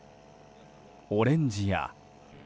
オレンジや。